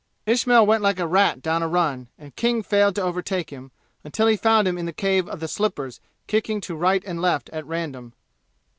Ismail went like a rat down a run, and King failed to overtake him until he found him in the cave of the slippers kicking to right and left at random.